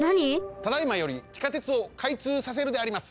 ただいまより地下鉄をかいつうさせるであります！